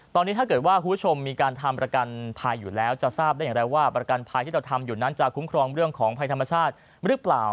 ตอนนี้ถ้าเกิดว่าคุณผู้ชมมีการทำประกันภัยอยู่แล้วจะทราบได้อย่างไรว่าประกันภัยที่เราทำอยู่นั้นจะคุ้มครองเรื่องของภัยธรรมชาติหรือเปล่า